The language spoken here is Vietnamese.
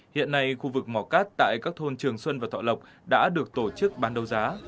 hiện nay khu vực mỏ cát tại các thôn trường xuân và thọ lộc đã được tổ chức bán đấu giá